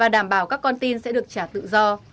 đảm bảo các con tin sẽ được trả tự do